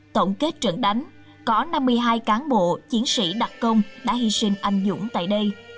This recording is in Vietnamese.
tổng kết trận đánh có năm mươi hai cán bộ chiến sĩ đặc công đã hy sinh anh dũng tại đây